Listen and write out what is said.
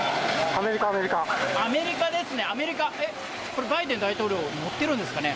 アメリカですね、これバイデン大統領、乗ってるんですかね？